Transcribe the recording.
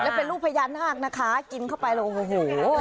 และเป็นลูกพญานาคนะคะกินเข้าไปแล้วโอ้โห